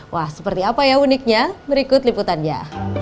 wah seperti apa ya uniknya berikut liputannya